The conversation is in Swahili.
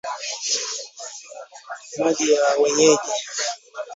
Majina ya wenyeji